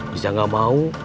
diza gak mau